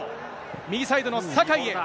右サイドの酒井へ。